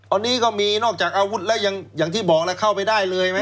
อันนี้ก็มีนอกจากอาวุธแล้วยังอย่างที่บอกแล้วเข้าไปได้เลยไหม